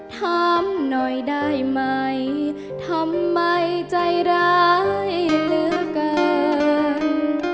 ถามหน่อยได้ไหมทำไมใจร้ายเหลือเกิน